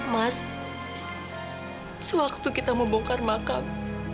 mas sewaktu kita membongkar makam